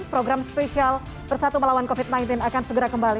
program spesial bersatu melawan covid sembilan belas akan segera kembali